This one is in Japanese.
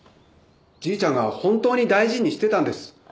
じいちゃんが本当に大事にしてたんです。